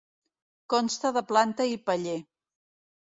Consta de planta i paller.